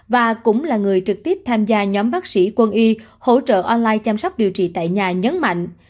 và cũng là người trực tiếp tham gia nhóm bác sĩ quân y hỗ trợ online chăm sóc điều trị tại nhà nhấn mạnh